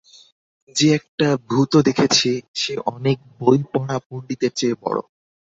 যে একটা ভূতও দেখেছে, সে অনেক বই-পড়া পণ্ডিতের চেয়ে বড়।